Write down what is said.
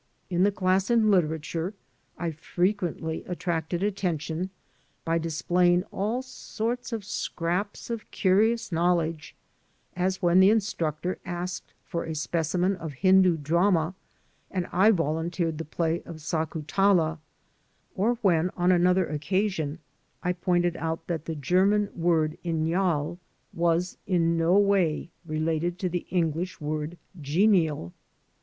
In the class in literature I frequently attracted attention by displaying all sorts of scraps of curious knowledge, as when the instructor asked for a specimen of Hindu drama and I volunteered the play of ^'Sakun tala," or when, on another occasion, I pointed out that the German word genial was in no way related to the English word "genial."